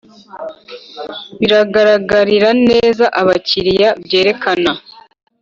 Bigaragarira neza abakiriya byerekana